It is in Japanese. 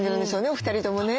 お二人ともね。